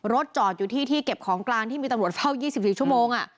รถจอดอยู่ที่ที่เก็บของกลางที่มีตำรวจเฝ้ายี่สิบสิบชั่วโมงอ่ะ